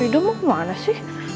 ridho mau kemana sih